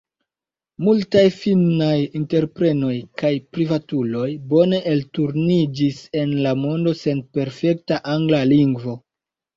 Multaj finnaj entreprenoj kaj privatuloj bone elturniĝis en la mondo sen perfekta angla lingvo.